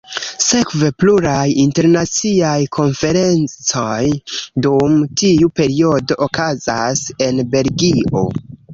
Sekve pluraj internaciaj konferencoj dum tiu periodo okazas en Belgio.